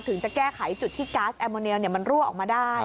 ถึงจะแก้ไขจุดที่ก๊าซแอมโมเนียลมันรั่วออกมาได้